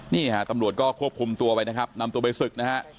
นี่ฮะตำรวจก็ควบคุมตัวไปนะครับนำตัวไปศึกนะฮะ